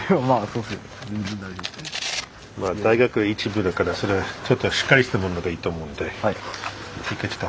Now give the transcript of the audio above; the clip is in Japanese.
まあ大学１部だからちょっとしっかりしたものがいいと思って。